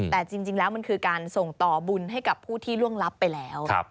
แต่จริงแล้วมันคือการส่งต่อบุญให้กับผู้ที่ล่วงลับไปแล้ว